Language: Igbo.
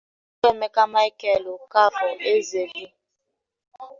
Maazị Chukwuemeka Michael Okafor-Ezelie